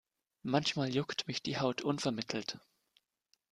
Manchmal juckt mich die Haut unvermittelt.